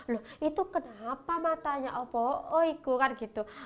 loh itu kenapa matanya oh iya kan gitu